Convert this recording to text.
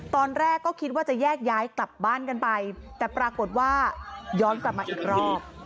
ตอนแรกก็คิดว่าจะแยกย้ายกลับบ้านกันไปแต่ปรากฏว่าย้อนกลับมาอีกรอบ